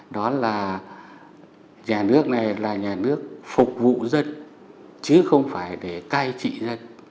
đó là nhà nước này là nhà nước phục vụ dân chứ không phải để cai trị dân